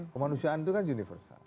kemanusiaan itu kan universal